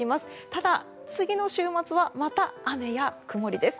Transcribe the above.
ただ、次の週末はまた雨や曇りです。